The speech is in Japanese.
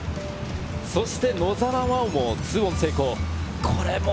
そして野澤真央も２オン成功。